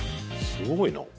すごいな。